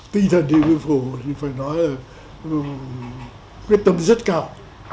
tinh thần điện biên phủ thì phải nói là luôn quyết tâm rất cao